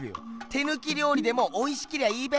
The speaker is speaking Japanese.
手ぬきりょう理でもおいしけりゃいいべ！